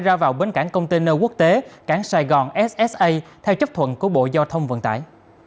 ra vào bến cảng container quốc tế cảng sài gòn ssa theo chấp thuận của bộ giao thông vận tải